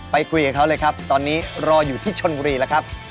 ไปคุยกับเขาเลยครับตอนนี้รออยู่ที่ชนบุรีแล้วครับ